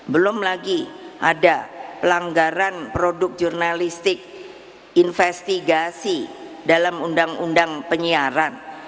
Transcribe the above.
belum lagi ada pelanggaran produk jurnalistik investigasi dalam undang undang penyiaran